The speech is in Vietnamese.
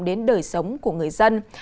đến đời sống của người dân